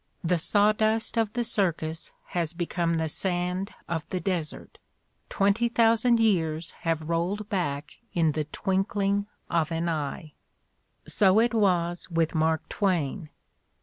The sawdust of the circus has become the sand of the desert; twenty thousand years have rolled back in the twinkling of an eye. So it was with Mark Twain.